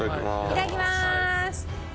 いただきます！